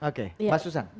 oke mas susang